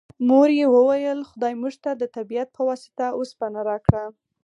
مور یې وویل خدای موږ ته د طبیعت په واسطه اوسپنه راکړه